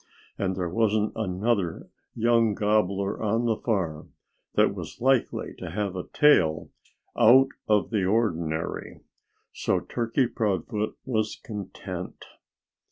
And there wasn't another young gobbler on the farm that was likely to have a tail out of the ordinary. So Turkey Proudfoot was content.